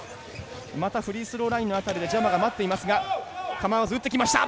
またフリースローラインの辺りでジャマが待っていますが構わず打ってきました！